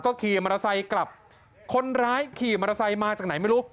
ขี่มอเตอร์ไซค์กลับคนร้ายขี่มอเตอร์ไซค์มาจากไหนไม่รู้